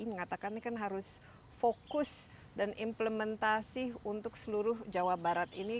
mengatakan ini kan harus fokus dan implementasi untuk seluruh jawa barat ini